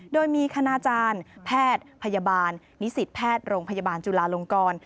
โดยมีคณาจารย์แพทย์พยาบาลนิสิตแพทย์โรงพยาบาลจุลาลงกร